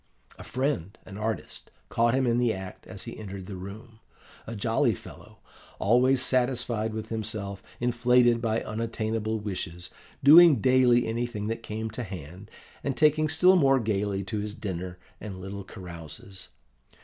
A friend, an artist, caught him in the act as he entered the room a jolly fellow, always satisfied with himself, inflated by unattainable wishes, doing daily anything that came to hand, and taking still more gaily to his dinner and little carouses.